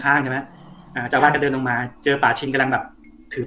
ใช่ไหมอ่าเจ้าวาดก็เดินลงมาเจอป่าชินกำลังแบบถือ